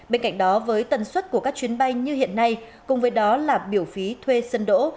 bên cạnh đó với tần suất của các chuyến bay như hiện nay cùng với đó là biểu phí thuê sân đỗ